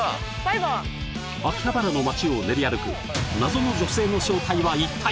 秋葉原の街を練り歩く謎の女性の正体は一体！？